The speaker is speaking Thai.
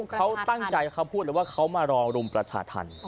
เขาตั้งใจเขาพูดเลยว่าเขามารอรุมประชาธรรม